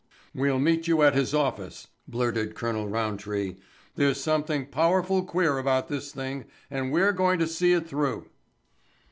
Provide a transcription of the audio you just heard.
"We'll meet you at his office," blurted Colonel Roundtree. "There's something powerful queer about this thing and we're going to see it through."